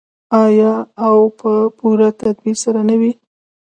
آیا او په پوره تدبیر سره نه وي؟